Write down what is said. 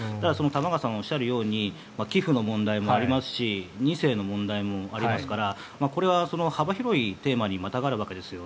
玉川さんがおっしゃるように寄付の問題もありますし２世の問題もありますからこれは幅広いテーマにまたがるわけですよ。